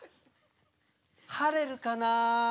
「晴れるかな」